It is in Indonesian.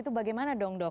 itu bagaimana dong dok